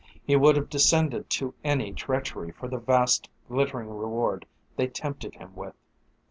He would have descended to any treachery for the vast glittering reward they tempted him with.